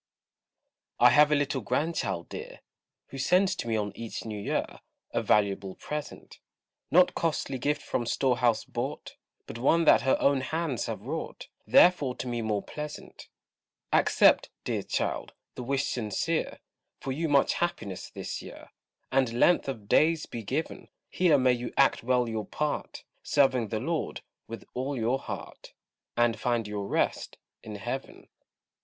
I have a little Grandchild dear, Who sends to me on each new year A valuable present: Not costly gift from store house bought, But one that her own hands have wrought, Therefore to me more pleasant. Accept, dear child, the wish sincere, For you much happiness this year, And length of days be given; Here may you act well your part, Serving the Lord with all your heart, And find your rest in heaven.